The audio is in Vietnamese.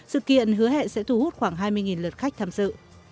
sự kiện hứa hẹn sẽ thu hút khoảng hai mươi lượt khách tham dự